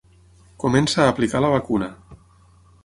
Comença a aplicar la vacuna.